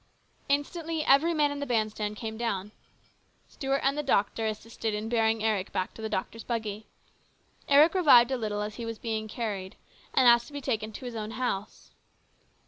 Instantly every man in the band stand came down. Stuart and the doctor assisted in bearing Eric back to the doctor's buggy. Eric revived a little as he was being carried, and asked to be taken to his own house.